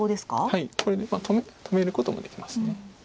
はいこれで止めることもできます。